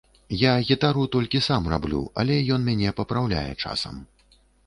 Я гітару толькі сам раблю, але ён мяне папраўляе часам.